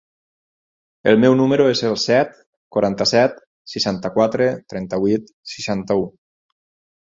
El meu número es el set, quaranta-set, seixanta-quatre, trenta-vuit, seixanta-u.